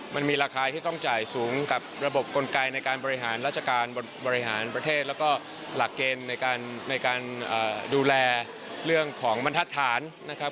มันมีราคาที่ต้องจ่ายสูงกับระบบกลไกในการบริหารราชการบริหารประเทศแล้วก็หลักเกณฑ์ในการดูแลเรื่องของบรรทัศน์นะครับ